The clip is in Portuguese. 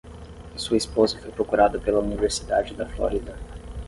Sua esposa foi procurada pela Universidade da Flórida.